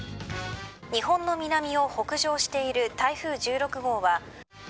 日本の南を北上している台風１６号は。